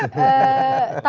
kepala kerajaan kita